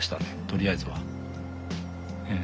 とりあえずは。